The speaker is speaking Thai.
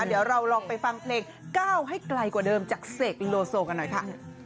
เดี๋ยวเราลองไปฟังเพลงก้าวให้ไกลกว่าเดิมจากเสกโลโซกันหน่อยค่ะ